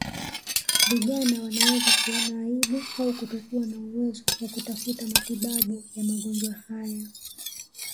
Vijana wanaweza kuona aibu au kutokuwa na uwezo wa kutafuta matibabu ya magonjwa haya